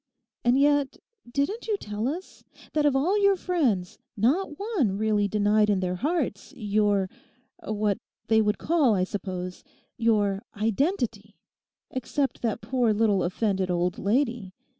'And yet, didn't you tell us, that of all your friends not one really denied in their hearts your—what they would call, I suppose—your identity; except that poor little offended old lady.